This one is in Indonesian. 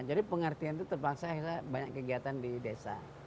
jadi pengertian itu terpaksa banyak kegiatan di desa